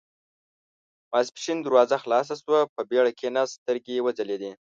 ماسپښين دروازه خلاصه شوه، په بېړه کېناست، سترګې يې وځلېدې.